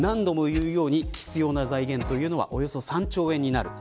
何度も言うように、必要な財源というのはおよそ３兆円になる。